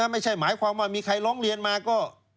ไม่ใช่หมายความว่ามีใครร้องเรียนมาก็